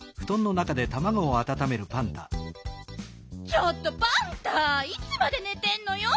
ちょっとパンタいつまでねてんのよ！